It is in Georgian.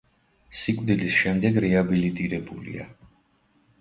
სიკვდილის შემდეგ რეაბილიტირებულია.